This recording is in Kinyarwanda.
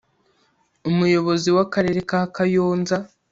Umuyobozi w’Akarere ka Kayonza